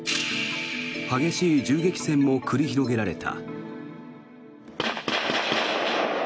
激しい銃撃戦も繰り広げられた。